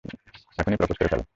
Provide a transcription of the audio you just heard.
এখনই প্রপোজ করে ফেলো।